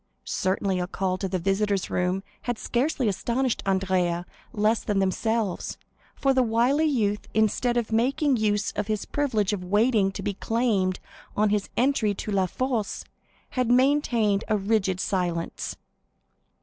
Certainly a call to the visitors' room had scarcely astonished Andrea less than themselves, for the wily youth, instead of making use of his privilege of waiting to be claimed on his entry into La Force, had maintained a rigid silence.